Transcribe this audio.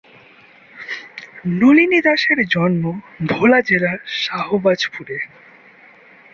নলিনী দাসের জন্ম ভোলা জেলার সাহবাজপুরে।